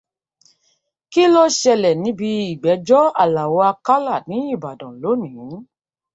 Kí ló ṣẹlẹ̀ níbi ìgbẹ́jọ́ Àlàó-Akálà ní Ìbàdàn lónìí?